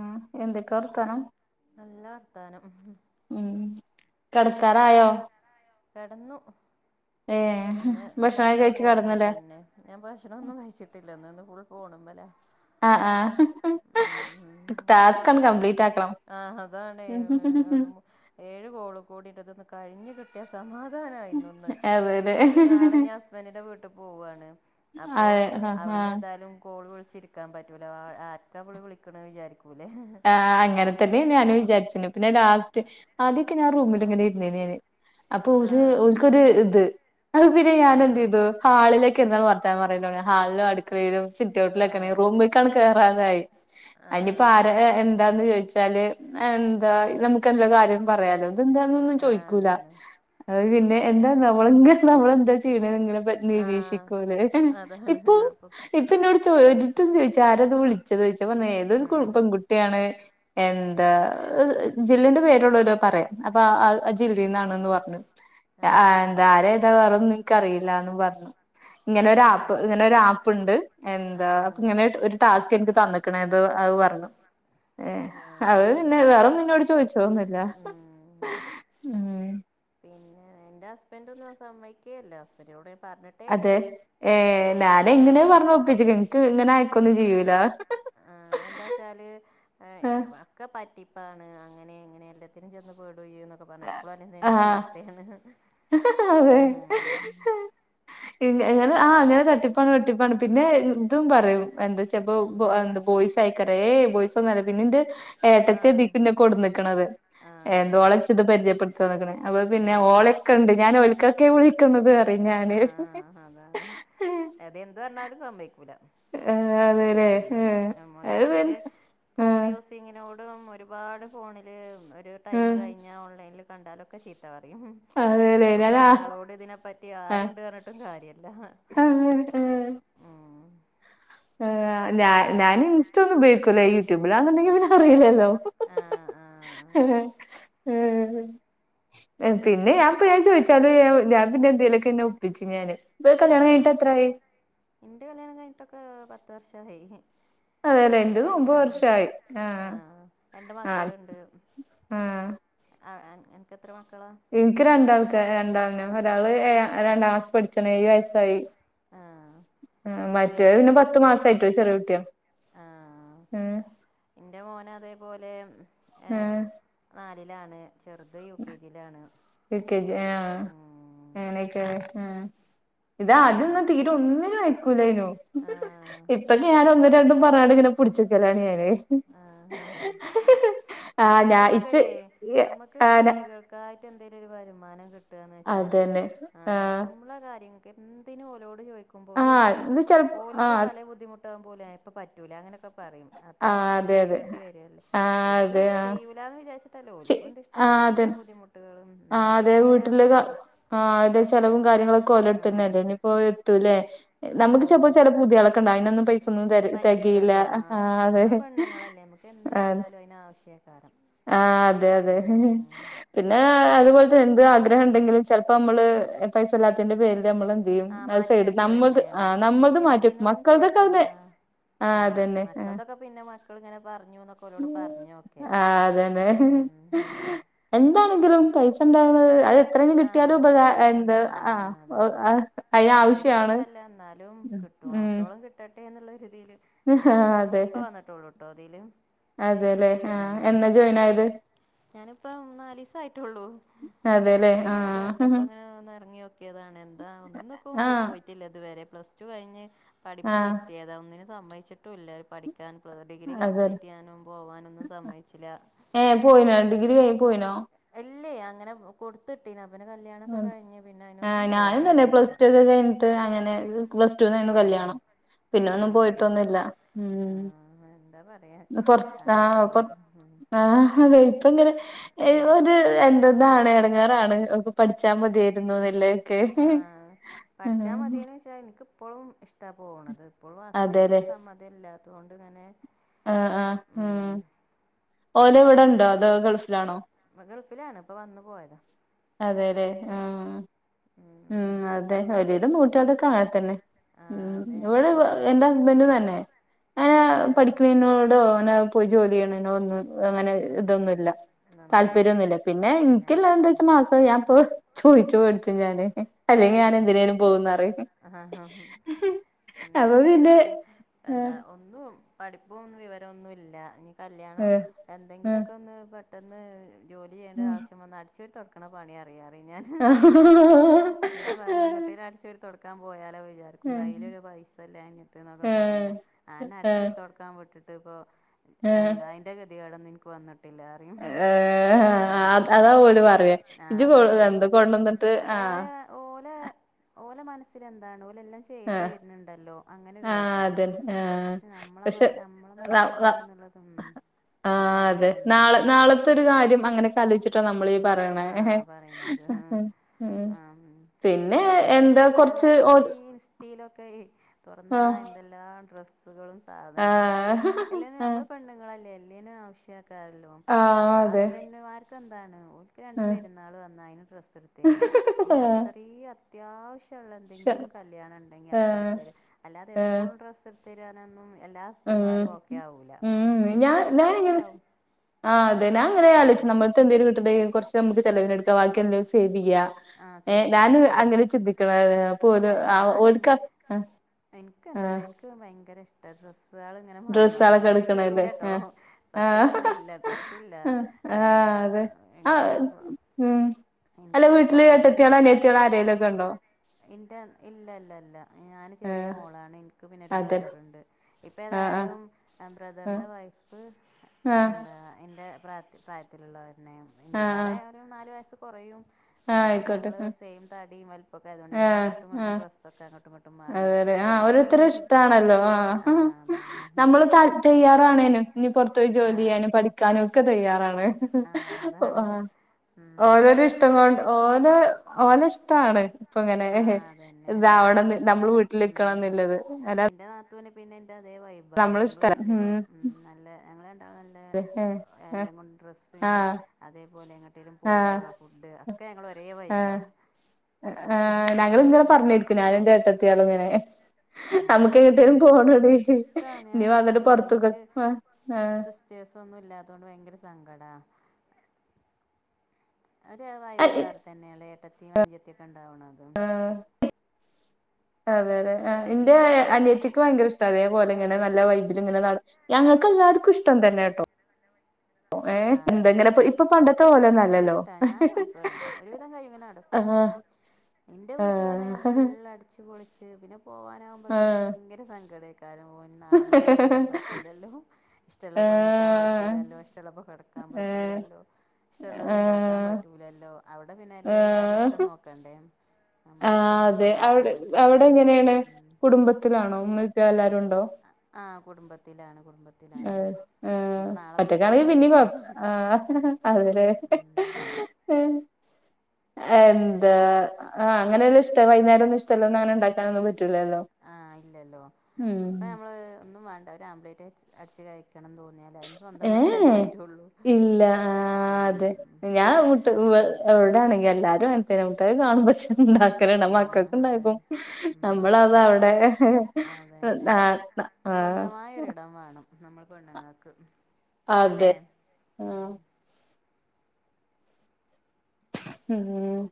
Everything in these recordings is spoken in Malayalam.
ഉം എന്തൊക്കെ വർത്താനം? നല്ല വർത്താനം. ഉം കിടക്കറായോ? കിടന്നു ഏഹ് ഇന്ന് ഇന്ന് ഭക്ഷണം മൊത്തം കഴിച്ചു ഫോണുമ്മേ കിടന്നല്ലേ തന്നെ ഞാൻ ഭക്ഷണം ഒന്നും കഴിച്ചിട്ടില്ലന്ന് ഫുൾഫോണുമ്മേലാ ആഹ് ആഹ് ഹാ ഹാ ഹാ ട്ടാസ്ക് ഒന്ന് കംപ്ലീറ്റ് ആക്കണം. ആ അതാണ് ഏഴ് കോള് കൂടിയിട്ടതൊന്ന് കഴിഞ്ഞു കിട്ടിയ സമാധാനമായിന്നൊന്ന്. അതെന്നെ നാളെ ഞാൻ ഹസ്ബൻഡിന്റെ വീട്ടിൽ പോവുവയാണ് അപ്പോ അതെ ആഹ് അവിടുന്ന് ആഹ് എതായാലും കോള് വിളിച്ചിരി ക്കാൻ പറ്റൂല അറ്റപുളി വിളിക്കണ വിചാരിക്കൂല്ലേ? ആഹ് അങ്ങനെ തന്നെ ഞാനും വിചാരിചേ പിന്നെ ലാസ്റ്റ് ആദ്യൊക്കെ ഞാൻ റൂമിൽ എങ്ങനെ ഇരുന്നേനു അപ്പൊ ആ ഓര് ഓർക്കൊരു ഇത് അത് പിന്നെ ഞാനെ ആ എന്ത് ചെയ്തു. ഹാളിലേക്കെ എന്നും വർത്താനം പറയ ഹാളി സിട്ടോ‌ട്ടിൽ ആ ഒക്കെ റൂമിലേക്കങ്ങു കേറാതായി ആഹ് ഇനിയിപ്പോ ആ ഏഹ് എന്താന്ന് ചോദിച്ചാല് അതു എന്താ നമുക്ക് എന്താ കാര്യം പറയാലോ അതെന്താന്ന ഒന്നും ആ ചോദിക്കൂല അതാണ് അത് പിന്നെ എന്താ അവിടെ നമ്മള് ഇങ്ങനെ നമ്മളെന്താ ചെയ്യണ ങ്ങനെ പ ആഹ് നിരീക്ഷിക്കൂലേ അതാണ് ഇപ്പൊ അപ്പം ഇപ്പ എന്നോട് ചോദിച്ചു ആരത് വിളിച്ചത് ചോദിച്ചാ പറഞ്ഞ ഏതൊ ഒരു ആഹ് പെൺകുട്ടി. നിങ്ങള് എന്താ ജില്ലന്റെ പേരുള്ളവരോ പറയാം. അപ്പൊ അ അത് ജില്ലന്നാണന്ന് പറഞ്ഞു ആഹ് എന്താ ആഹ് ആരാ വേറൊന്നു എനിക്കറിയില്ലാന്നും പറഞ്ഞു ഇങ്ങനൊരാപ്പ് ആഹ് ഇങ്ങനൊരാപ്പ് പ്പുണ്ട് എന്താ അപ്പ ആഹ് ഇങ്ങനെ ഒരു ടാസ്ക് എനിക്ക് തന്നക്കണ അതു അത് പറഞ്ഞു ഏഹ് ആഹ് അത് ആഹ് പിന്നെ വേറൊന്നും ന്നോട് ചോദിച്ചോന്നൂല്ല ഉം ഉം. പിന്നെ എന്റെ ഹസ്ബൻഡ് ഒന്നും സമ്മതിക്കുവേയില്ല. ഹസ്ബൻഡിനോട് പറഞ്ഞിട്ട് അതെ ഏഹ് ഞാൻ എങ്ങനെ പറഞ്ഞൊപ്പിചിന് എനിക്ക് ഇങ്ങനെ ആയക്കോന്നും ചെയ്യൂല്ല ആഹ് എന്താചാല് ഒക്കെ പറ്റിപ്പാണ് അങ്ങനെ ഇങ്ങനെ എല്ലാത്തിനും ചെന്ന് പെടുകയും എന്നൊക്കെ ഇപ്പ പറഞ്ഞ എപ്പോളും അങ്ങനെ തന്നെ ചീത്തേണ്‌. ഹഹഹ അതെ ങ്ങനെ ആ അങ്ങനെ തട്ടിപ്പാണ് വട്ടിപ്പാണ് പിന്നെ ഇതും പറയും എന്താ വെച്ചപ്പോ എന്ത ബോയ്സ് ആയിക്കറ ബോയ്സ് ഒന്നല്ല പിന്നെന്റെ ആഹ് ഏട്ടത്യ ആഹ് ഇടീക്ക് ന്നെ കൊടന്നക്കണത് എന്തോള ആഹ് ചിത് പരിചയപ്പെടുത്ത നോക്കണേ അപ്പൊ പിന്നെ ഓള ആഹ് കണ്ട് ഞാൻ ഓലക്കൊക്കെ വിളിക്കുന്നത്റിം ഞാന് ന്തറഞ്ഞാലും സമ്മക്കൂല്ല ആ അതെല്ലെ ഉം അ [unintelligible] ന്നെ ആ ങ്ങിനോടും ഒരുപാട് ഫോണിൽ ഒരു ടൈമ് ആ കഴിഞ്ഞാൽ ഓൺലൈനിൽ കണ്ടാലൊക്കെ ചീത്ത പറയും അതെല്ലേ അപ്പൊ ഞാൻ ആ പിന്നെ ആളോട് ഇതിനെപ്പറ്റി ആരുണ്ട് പറഞ്ഞിട്ടും കാര്യല്ല ആഹ ആ ഹെ ഉം ഹ് ഞാ ഞാൻ ഇൻസ്റ്റ ഒന്നും ഉപോഗിക്കൂല്ല യൂട്യൂബിലാന്നുണ്ടെങ്കിൽ പിന്നെ അറിയില്ലല്ലോ ആഹ് ആഹ് ഹ്.. ഹ്.. ഹ് ഹേം പിന്ന ഞാപ്പൊ ഞാൻ ചോദിച്ചാല് ഞാൻ പിന്നെ എന്തേലൊക്കെെ വിളിച്ചഞാന് ഭരേ ആഹ് കല്യാണംകഴിഞ്ഞിട്ട് എത്രായി ഇന്റെ കല്യാണം കഴിഞ്ഞട്ടൊക്കെ പത്ത് വർഷായി അതെല്ലെ എന്റത് അല്ല ഒമ്പത് ആഹ് വർഷയി ആഹ ആഹ് രണ്ട് ആ ആ ആ അ അൻക്ക് ത്ര മക്കളാ ഇൻക് രണ്ടാൾക്കാര രണ്ടാളിന ഒരാള് ഏഴാ രണ്ടാം ക്ലാസ് പഠിച്ചാണ് ഏഴു വയസായി ആഹ് മറ്റേ ഇന്റെ പിന്നെ പത്തു മാസമായിട്ട് ചെറിയ കുട്ടിയ ഹെ ഇന്റെ മോന് അതേപോലെ യെ ആഹ് നാലിലാണ് ചെറുത് യു കെ ജയിലാണ് എൽകെജി യേം അങ്ങനെക്കാന്ന് ഇതാ അതന്ന തീര ഒന്നിനും അയക്കൂലേനു ആഹ് ഇപ്പൊ ഞാനൊന്നും രണ്ടും പറഞ്ഞാണ്ട് ഇങ്ങനെ പിടിച്ചിക്കലാണ് ഞാന് ആഹ ആഹ ഹാ [inaudible] ഇച്ച് എന്തെങ്കിലൊക്കെലരെ നമുക്ക് ആന സ്ത്രീകൾക്കായിട്ട്ന്തെങ്കിലും ഒരു വരുമാനം കിട്ട ന്ന് വെച്ചാല് അതന്നെ ആഹ് നമ്മള കാര്യങ്ങ എന്തിനും ഓലോട് ചോദിക്കുബോ ഓല് ആഹ് ചെലപ്പോ ഇത് ചെല ഓലക്ക് ആഹ് പല ബുദ്ധിമുട്ട് ട്ട പോല ഇപ്പ പറ്റൂല അങ്ങനെയൊക്കെ പറയും അപ്പൊ ആഹ് നമ്മളത് അതെ അതെ കേൾക്കേണ്ടി വരുല്ലേ ആഹ് അതെ ആഹ് ചെയ്യൂല എന്ന് വിചാച്ചിട്ടല്ലോ ഓൽക്കൊണ്ട് ഇഷ്ടപോലെ ബുദ്ധിമുട്ടുകളും ആ ഉം, അതേ നോക്കണില്ല വീട്ടില് എന്നല്ല ആ അത ചെലവും കാര്യങ്ങളൊക്കെ ഓലടുത്തന്നെ അല്ലേ ആഹ് ഇനിയിപ്പോ എത്തൂല്ലേ ആഹ് നമുക്ക് ചിലപ്പോ അതന്നെ ചില പുതിയാൾക്കേ ഉണ്ടാവും അതിതൊന്നും പൈസ ഒന്നും ത തികയില്ല പറ്റൂലല്ലോ ആഹ് ആ അത നമ്മള് പെണ്ണുങ്ങളല്ലേ നമുക്ക് എന്ത് കണ്ടാലും അയിന് ആവശ്യക്കാരം ആഹ അതെ അതെ ഉം പിന്നെ അതുപോലത്തെ എന്ത് ആഗ്രഹം ഉണ്ടെങ്കിലും ചിലപ്പോ നമ്മള് പൈസ ഇല്ലാത്തിന്റെ പേരില് നമ്മള് ആഹ് മാറ്റി [unintelligible] നമ്മൾത് വെക്കല്ലേ ആ നമ്മൾത് മാറ്റി വെക്കും മക്കളുടെൊക്കെ അതെ ആ ആഹ് അതന്നെ ആഹ് മക്കൾതൊക്കെ പിന്നെ മക്കള് ഇങ്ങനെ പറഞ്ഞു എന്നൊക്കെരോട് പറഞോക്ക ആ അതന്നെ എന്താണെങ്കിലും പൈസുണ്ടാകുന്നത് അത് എത്ര ആഹ് കിട്ടിയാലും അത് ഉപകാ വേറെ എന്ത് തന്നെല്ലേ ആ [unintelligible] ആഹ് അതാണ് ഉപകാര എന്ത് ആ അ ആവശ്യാണ് ഉം കിട്ടണോർത്തോളം കിട്ടട്ടെ എന്നുള്ളര് തില് ആ ഞാന് അതെ ഇപ്പ വന്നിട്ടോളൂട്ടോ അതില് അതെല്ലേ ഉം ആഹ് എന്നാ ജോയിൻ ആയത് ഞാനിപ്പ നാലിസ ആയിട്ടള്ളൂ അതെല്ലേ അങ്ങനെയൊക്കെ ആഹ് കേട്ടപ്പ അങ്ങനെ ഒന്ന് ഇറങ്ങി നൊക്കിയതാണ് എന്താ ഒന്നക്കും ആഹ് പോയി ഇതുവരെ പ്ലസ് ടു കഴിഞ്ഞ് പഠിപ്പ് ആഹ് നിർത്തിയതാ ഒന്നിനും സമ്മതിച്ചട്ടൂല്ല പഠി കാൻ ഡിഗ്രി അതെ കംപ്ലീറ്റ് ചെയ്യാനും പോവാനൊന്നും സമ്മയിച്ചില്ല ഏഹ് പോയിനോ ഡിഗ്രി കയി പോയിനോ ഇല്ലേ അങ്ങനെ കൊടുത്തിട്ടീന അവന് കല്യാണൊക്കെ കഴിഞ്ഞ് പിന്നെ ആഹ് അയിനൊന്നും പോവാൻ ഞാനും തന്നെ പ്ലസ് സമ്മയിച്ചില്ല ടു ഒക്കെ കഴിഞ്ഞിട്ട് അങ്ങനെ പ്ലസ്ടൂന്നായിനു ഉം കല്യാണം പിന്നെന്നും പോയിട്ടൊന്നുല്ല ഉം ആഹ് എന്താ പറയാ പൊറ് അങ്ങനെ പോയി ആഹ് ഉം. ആഹ് അതെ ഇപ്പ ഇങ്ങനെ ഒരു എന്താ എന്താണ് ഇടങ്ങാറാണ് ഒ പഠിച്ചാൽ മതിയായിരുന്നുന്നല്ലേ ആഹ് പഠിച്ചാ മതിയേന എനിക്കിപ്പോഴും ഇഷ്ടാ പോണത് ഇപ്പോഴും ഹസ്ബൻറിിന്റെ അതെല്ലേ ഒരു സമ്മത ഇല്ലാത്തുകൊണ്ട് ഇങ്ങനെ ആഹ് ആഹ് ഉം ഓല് ഇവിടെ അങ്ങനെ ഉണ്ടോ അതൊ ഗൾഫിലാണോ ഗൾഫിലാണ് ഇപ്പ വന്നു പോയതാ അതെല്ലെ ആഹ് ആഹ് ഉം അതെ ഒരുവിധം പെൺക്കൂട്ടതൊക്കെ അങ്ങനെ തന്നെ ആ ഉം അതെ അതെ ഇവിടെ ഉം എന്താ ഹസ്ബൻഡ് തന്നെ ന ആ പഠിക്കണോടോ നെ പോയി ജോലി ചെയ്യണോന്ന് അങ്ങനെ ഒന്നൊന്ന് ഇതൊന്നുല്ല നം താല്പര്യമൊന്നുല്ല പിന്നെ എന്നാണ് എനിക്കല്ല എന്താ ഉം വെച്ചാ മാസം ഞാൻ ഇപ്പ ചോയിച് വെടിച്ചും ഞാന് ആ അല്ലെങ്കിൽ ഞാൻ എന്തിനേലും പോകുന്ന് പറയും ആഹ് ഹ അപ്പൊ ഞാനിങ്ങനെ പിന്നെ പറിം എന്താ ആഹ് ഒ ഒന്നും പഠിപ്പൊന്നും വിവരൊന്നുല ഇല്ല ഇനി കല്യാണം ആഹ് ആഹ് എന്തെങ്കിലുക്കെ ഒന്ന് പെട്ടെന്ന് ജോലി ചെയ്യേണ്ട ആവശ്യം വന്ന അടിച്ചു വരുത്ത് തുടുക്കണ പണി അറിയാററിയും ഞാൻ ആഹ് ഞാൻ പറി എങ്ങട്ടാല് അടിച്ചാരി ഒരു തുടക്കാൻ പോയാലോ വിചാ ആഹ് ആഹ് കയ്യിലൊരു പൈസല്ലാഞ്ഞിട്ട് എന്നൊക്കെ ആഹ് പറയ്പോ ആനെ അടച്ച ആഹ് വരുത്തൊടക്കാൻ വിട്ടിട്ട് ഇപ്പൊ ആഹ് എന്താ അയിന്റെ ഗതികടൊന്നും എനിക്ക് വന്നിട്ടില്ല പറിയും ഏഹ് ഉം അതാ ഓല് പറയാ ആ ഇജ് അതാ കൊ പിന്നെ ഓല് എന്ത പറയാ കൊണ്ടന്നിട്ട് ആഹ് ഓല് ഓലെ ഓലെ മനസ്സിൽ എന്താണ് ഓലെല്ലാം ചെയ്തു ആഹ് തരുണ്ണ്ടല്ലോ അങ്ങനെ ആഹ് ഒരുതേക്കാരം അതന്നെ ആഹ് പക്ഷെ നമ്മളെ മ പക്ഷെ നമ്മളെ മൈന്റ് ആഹ് എന്താണെന്നുള്ളത് ഉം ക്ക് അതെ അറിയില്ലല്ലോ നാളെ നാളത്തെ ഒരു കാര്യംങ്ങനെകാലൊയിച്ച നമ്മളീ പറയണ ആഹ് പറയുന്നത് പിന്നെ എന്താ കൊറച്ച് ക്കെറഞ്ഞാല് ഓ നമ്മൾ ഈ ഇസ്റ്റയിലൊക്കെ തുറന്നാ ആഹ് എന്തെല്ലാ ഡ്രസ്സുകളും സാധനങ്ങള് ഒക്കെ ആഹ് എല്ലും ആഹ് നമ്മള് പെണ്ണുങ്ങളല്ലേ എല്ലേനും ആവശ്യ ക്കാല്ലോ ആഹ് അതെ ഹസ്ബൻഡുമർക്ക് എന്താണ് രണ്ട് ആഹ് പെരുന്നാൾ വന്നാ അയിന് ഡ്രസ്സ്ടുത്ത് തരാ പിന്നെ ആഹ് അത്രേ അ അത്യാവശ്യള്ള എന്തെങ്കിലും കല്ല്യാണം ഉണ്ടെങ്കി അപ്പം എടുത്തു തരും ആഹ് അല്ലാതെ എപ്പളും ഡ്രസ്സ്‌ തരാനൊന്നും എല്ലാ ഉം ഹസ്ബൻഡുമാരും ഓക്കെ ആവൂല ഉം എടുത്ത് ഞാൻ ഞാന് തരുന്നോരും ഇങ്ങനെ ഉണ്ടാവും ആ അതെ ഞാൻ എങ്ങനെ ഉം ആലോച്ചും നമ്മൾ എന്തേും കിട്ടെ കുറച് നമക്ക് ചിലവിനടുക്ക വാക്കി എല്ലാ സേവെയ്യ ആഹ് ഏഹ് ഞാന് സേവിങ്ങ് ഉം അങ്ങനെ ചിന്തിക്കണ അപ്പൊ ഓല് ഓല്ക് ഇൻക്ക് എന്താ റയാ ഇൻക്ക് ഭയങ്കര ഇഷ് ഇിറ്റ ഡ്രസ്സ് ആൾ ഇങ്ങനെ മാറി മാറിട ഡ്രസ്സാളൊക്കെ പക്ഷെ എടുക്കണല്ലേ കിട്ടൂലട്ടോ ആഹ് സത്യം ആഹ് പറഞ്ഞ ഇല്ല ഡ്രസ്സ്ല്ല ആഹ് ആഹ് എന്താ അതെ ആഹ് ഇങ്ങനെ ഉം അല എനിക്കിങ്ങനെ വീട്ടില് കാണുമ്പോൾ എട്ടെത്തിയോളോ ഇഷ്ടമാണ് അനിയത്തിയോളോ അരലൊക്കെ ഉണ്ടോ ഇന്റെ ഇല്ലല്ല ല്ല ഞാന് ചെറിയ ആഹ് മോളാണ് എനിക്ക് പിന്നെ ഒരു അതെ ബ്രദറുണ്ട് ഇപ്പ ആഹ് ആഹ് ഏതായാലും ആഹ് ബ്രദറിന്റെ വൈഫ് ആഹ് എന്താ ഇൻ്റെ പ്രായത്തിലുള്ളവരുനേണ് ഇന്റെയിലേറെ ആഹ് ഒരു നാല് വയസ്സ് കുറയും ആഹ് ന്നാലും ആയിക്കോട്ടെ ഞങ്ങള് സെയിം തടിയും വലി ഇപ്പൊക്കെ ആതുകൊണ്ട് ഞങ്ങള് ആഹ് അങ്ങോട്ടും ഇങ്ങൊട്ടും ആഹ് ഡ്രസ്സൊക്കെ അങ്ങോട്ടും ഇങ്ങോട്ടും മാറി അതെല്ലെ ആഹ് മറിച്ചൊക്കെങ്ങനെടും ഓരോരുത്തരെ ഇഷ്ടാണല്ലോ ആഹ് നമ്മള് ത തയ്യാറുണേനും ഇനി പുറത്ത് പോയി ആ ജോലി ചെയ്യാനും പഠിക്ക നൊക്കെ തയ്യാറാണ് ആ അതാണ് ഉം. ഓരോരൊ ഇഷ് ഇഷ്ടം കൊണ്ട് ഓന് ഓന് ഇഷ്ടാണ് ഇപ്പ ഇങ്ങനെ ആ അതന്നെ ഉം. ഇതാവണം നമ്മള് വീട്ടിലിക്കണം എന്നുള്ളത് അത ത്തനെ പിന്നെ എൻ്റെ അതേ വൈബാണ് ഞങ്ങൾ ഭയങ്കര ഉം നല്ല ഞങ്ങളാണ്ടാളും നല്ലേ ആഹ് എല്ലെങ്കൊണ്ട് ഡ്രെസ്സിങ് ആഹ് അതേപോലെ എങ്ങട്ടേലും ആഹ് പോവ ഫുഡ് ഒക്കെ ങ്ങള് ഒരേ വൈമ്പാന്ന് ആഹ് ഞങ്ങള് ഇങ്ങലെ പറഞ്ഞിക്കും ഞാന എൻറെ ഏട്ടത്തിയാളിങ്ങനെ നമുക്ക് ആഹ് എങ്ങട്ടേലും ആഹ് പോണേണ്ടങ്കി എനിക്കിഷ്ടാണ് ഞാൻ ഇനി അങ്ങനെ വന്നിട്ട് പൊറത്തുക്കെ ആഹ് ആഹ്... ത്യാസം ഒന്നും ഇല്ലാത്തൊണ്ട് ഭയങ്കര സങ്കടാ ഒരു വൈബ് വേറെ തന്നെയല്ലേ ഏത്തിയും അന്ജത്തിയ ഒക്കെ ഉണ്ടാവണത് ആഹ് അതെ അതെ എന്റെ ഉം അനിയത്തിക്ക് ഭയങ്കര ഇഷ്ടം അതേപോലെ ഇങ്ങനെ ആഹ് നല്ല വൈബീ ഇങ്ങനെ ന ഞങ്ങക്ക്ല്ലാവർക്കും ഇഷ്ട തന്നെട്ടോ ആഹ് ഇപ്പൊ ഇപ്പൊ പണ്ടത്തെ എനിക്കു പോലെന്നല്ലല്ലോ ഇഷ്ടാ ഞാനും നോക്കാണ് ഒരുവിധം കഴി ഇങ്ങനെ നടക്കും ആഹ് എന്റെ വീട്ടിൽ വന്നാ ഞാൻ ആഹ് ഫുള് അടച്ച് പൊളച്ച് പിന്നെ പോവാനാകുമ്പോക്കിന് ആഹ് ഭയങ്കര സങ്കട ല്ലരും പോ നാളെ മുതല് ഒന്നിനും പറ്റൂലല്ലോ ആഹ് ഇഷ്ടള്ള പണിയിക്കാൻ പറ്റൂലല്ലോ ഇഷ്ട എള്പ്പം കെടക്കാൻ ആഹ് പറ്റൂലല്ലോ ഇഷ്ടമുള്ളത് ആഹ് ഇണ്ടാക്കാൻ ആഹ് പറ്റൂലല്ലോ അവിടെ പിന്നെ എല്ലാ എല്ലാരും ഇഷ്ടം നോക്കണ്ടേ നമ്മളെ ആഹ് ഇഷ്ടം അതെ മാത്രം നോക്കാൻ അവിടെ അവിടെ പറ്റൂലല്ലോ എങ്ങനെയാണ് കുടുംബത്തിലാണോങ്ങക്ക എല്ലരുംണ്ടോ? ആഹ് കുടുംബത്തിലാണ് കുടുംബത്തി ഉം ഉം അതെ ണങ്കീ പിന്നീ പോവായി കൊഴ ആഹ് അതേ അഹ് അതേലെ എന്താ? പിന്നെ ആഹ് അങ്ങനെല്ല ഇഷ്ടവൈന്നേരം ഇഷ്ടല്ലന്ന അനെ ഉണ്ടാക്കാന ഒന്നും പറ്റില്ലല്ലോ ആഹ് ഇല്ലല്ലോ ഇപ്പൊ നമ്മള് ഒന്നും വേണ്ട ഒരു ആംബ്ലേറ്റ് അടച്ച് കഴിക്കണംന്ന് തോന്നിയ എന്തലും സ്വന്തം വിട്ടിലലേ ഏഹ് പറ്റുള്ളൂ ഇല്ല ഉം [unintelligible] എവിടെ ആണെങ്കിൽ എല്ലാരും [unintelligible] അങ്ങനത്ത മുട്ട കാണും ക്ഷേ [unintelligible] പണ്ടും [unintelligible] മക്കൾക്ക് ആഹ് ഉണ്ടാക്കും അതന്നെ ഉം നമ്മളത് അവിടെ [unintelligible] സ്വന്തമായി ഒരിടം വേണം നമ്മൾ പെണ്ണ്ങ്ങാക്ക് അല്ലെ അതെ ഉ ആഹ് ഉം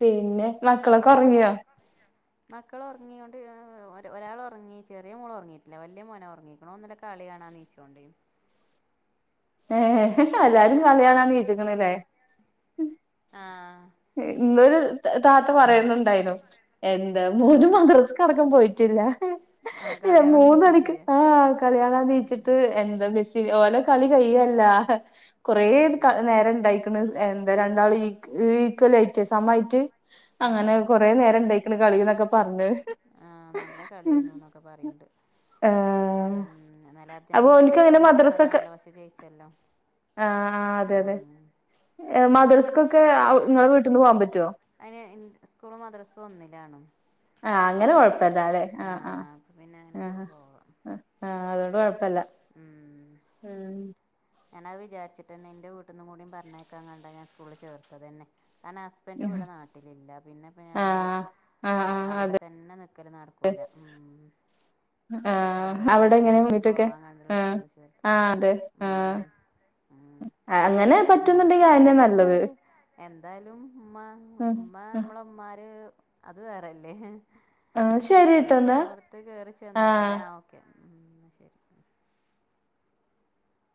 പിന്നെ മക്കളെ ഒറങ്ങിയോ? അ [unintelligible] [inaudible] മക്കള ഒറങ്ങിയ കൊണ്ട് ഒരാൾറങ്ങി ചെറിയ മോള ഉറങ്ങിയിട്ടില്ല വലിയ മോന ഉറങ്ങിണു ഒന് കളീ കാണാ നീച്ചോണ്ടേം ഏഹ് എല്ലാരും കളിയാണന് വിചിക്കണല്ലേ ആഹ് ഇന്നൊരു താത്ത പറയ ണ്ടായി എന്ത് മൂന് ആഹ് മദ്രസക്കടക്കും പോയിട്ടില്ല ആഹ് കളി എഹ് കാണാൻ മൂന്നണിക്ക് നീച്ചിട്ടില്ലേ ആഹ്.. കളിയാണ ഉം നീച്ചിട്ട് എന്താ ബെസി ഓലോ കളി കഴിയല്ല കൊറെ ഉം നേരം ഇണ്ടായിക്കണ് എന്താ രണ്ടാള് ഈക് ഇക്വലയിറ്റ് സമായിട്ട് അങ്ങനെ ആഹ് കൊറേ നേരം ണ്ടായിക്കണ് കളിന്നൊക്കെ പറഞ്ഞ് ആഹ് നല്ല കളിയനു എന്നൊക്കെ പറയണ്ട് ഏഹ് ഉം ന്നാല അപ്പൊ അർജന്റീന ഓനിക്ക് അങ്ങനെ തോൽക്കുന്ന് മദ്രസൊക്കെ പറഞ്ഞതാണല്ലോ പക്ഷെ ജയിച്ചല്ലോ ആ ഹ്ആഹ് അതെ അതെ ഉം. മദ്രസക്കൊക്കെ നിങ്ങളെ വീട്ടിൽന്ന് പോവാൻ പറ്റുവോ അയിന് സ്കൂള് മദ്രസ് ഒന്നിലാണ് ആഹ് അങ്ങനെ കൊഴപ്പില്ലാലേ ആ, ആഹ് ആഹ് അപ്പൊ പിന്നെ അങ്ങനെ പോ- ആഹ് പോവാം ആ.. ആഹ് അതോണ്ട് കൊഴപ്പല്ല ഉം ഉം ഞാൻ അത് വിചാർച്ചിട്ടന്നേ എന്റെ വീട്ട്ന്നും കൂടി പറഞ്ഞേയ്ക്കാ കണ്ടാ ഞാൻ സ്കൂളിൽ ചേർത്തതന്നെ. കാരണം ഹസ്ബൻഡ് ആഹ് ഇവിടെ നാട്ടിലില്ല പിന്നെ ഇപ്പ നമ്മള് ആഹ് ആഹ് അവടെ അതെ തന്നെ നിക്കല് നട് ക്കൂല്ല ഉം അപ്പൊ ആഹ് രണ്ടു അവിടെ വീട്ട്ന്നും എങ്ങനെ കൂടിം വീട്ടൊക്കെ പോവാൻ കണ്ടുള്ള ആഹ് സ്കൂളിൽ ചേർത്ത്. ആഹ് അതെ ഉം ആഹ് ഉം ആഹ് അങ്ങനെ പറ്റുന്നുണ്ടെങ്കി ഉമ്മീറ്റങ്ങനെ അയന്നെ നല്ലത് ചോദിച്ചാല്. എന്തായാലും ഉമ്മ ഉമ്മ നമ്മളമ്മാര് അത് വേറല്ലേ. ആഹ് കേറി ശരിട്ടോ എന്നാ ചെന്നോട്ത്ത് കേറി ആഹ് ചെന്നോരല്ലേ, ആ ഓക്കെ ഉം ഇന്ന ശരി.